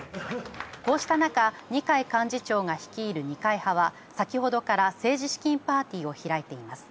こうしたなか二階幹事長が率いる二階派は先ほどから政治資金パーティーを開いています。